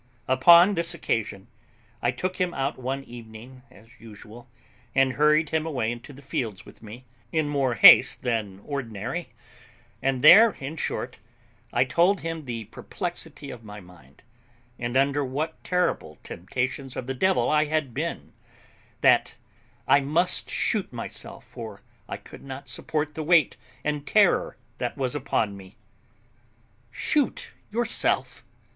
Upon this occasion, I took him out one evening, as usual, and hurried him away into the fields with me, in more haste than ordinary; and there, in short, I told him the perplexity of my mind, and under what terrible temptations of the devil I had been; that I must shoot myself, for I could not support the weight and terror that was upon me. "Shoot yourself!"